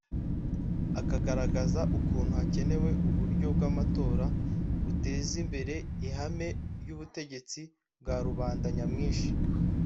akagaragaza ukuntu hakenewe “uburyo bw’amatora” buteza imbere ihame ry’ubutegetsi bwa ‘Rubanda Nyamwinshi